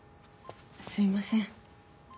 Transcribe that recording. すいません。